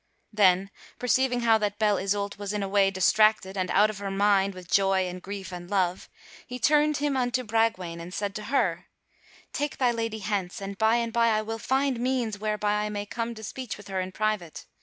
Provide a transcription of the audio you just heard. Then, perceiving how that Belle Isoult was in a way distracted and out of her mind with joy and grief and love, he turned him unto Bragwaine and said to her: "Take thy lady hence and by and by I will find means whereby I may come to speech with her in private.